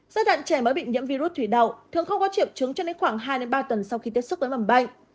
giai đoạn trẻ mới bị nhiễm virus thủy đậu thường không có triệu chứng cho đến khoảng hai ba tuần sau khi tiếp xúc với mầm bệnh